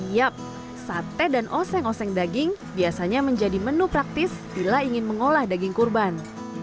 yap sate dan oseng oseng daging biasanya menjadi menu praktis bila ingin mengolah daging kurban